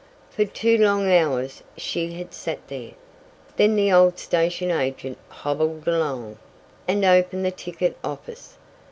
For two long hours she had sat there, then the old station agent hobbled along, and opened the ticket office.